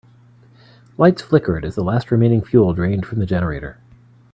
Lights flickered as the last remaining fuel drained from the generator.